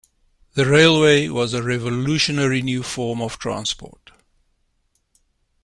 The railway was a revolutionary new form of transport.